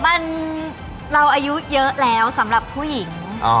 มันเราอายุเยอะแล้วสำหรับผู้หญิง